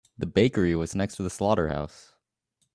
The bakery was next to the slaughterhouse.